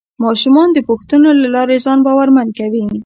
ماشومان د پوښتنو له لارې ځان باورمن کوي